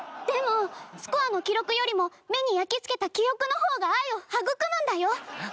でもスコアの記録よりも目に焼きつけた記憶の方が愛を育むんだよ！